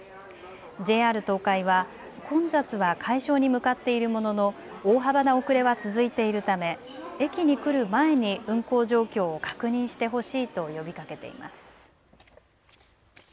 ＪＲ東海は混雑は解消に向かっているものの大幅な遅れは続いているため駅に来る前に運行状況を確認してほしいと呼びかけています。